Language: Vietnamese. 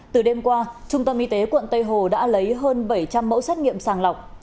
từ đêm qua trung tâm y tế quận tây hồ đã lấy hơn bảy trăm linh mẫu xét nghiệm sàng lọc